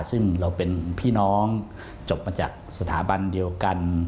ซึ่งเราเป็นพี่น้องจบมาจากสถาบันเดียวกัน